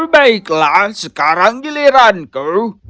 baiklah sekarang giliranku